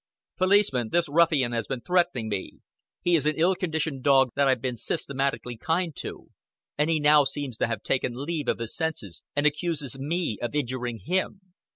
"Policeman, this ruffian has been threatening me. He is an ill conditioned dog that I've been systematically kind to, and he now seems to have taken leave of his senses and accuses me of injuring him.